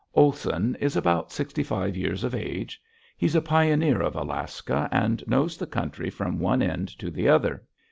Olson is about sixty five years of age. He's a pioneer of Alaska and knows the country from one end to the other.